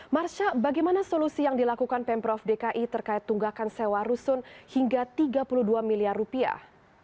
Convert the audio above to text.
marsha bagaimana solusi yang dilakukan pemprov dki terkait tunggakan sewa rusun hingga tiga puluh dua miliar rupiah